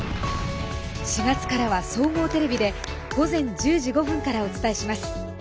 ４月からは総合テレビで午前１０時５分からお伝えします。